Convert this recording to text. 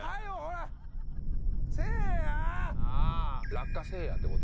「落下せいや」って事？